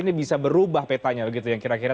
ini bisa berubah petanya begitu yang kira kira